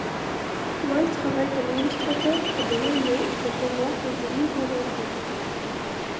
Whall travaille comme illustrateur pour des journaux, des romans et des livres d'enfants.